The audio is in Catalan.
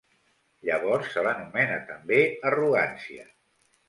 Llavors se l'anomena també arrogància.